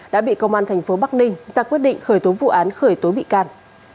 đã bị công an tp bắc ninh ra quyết định khởi tố vụ án khởi tố bị can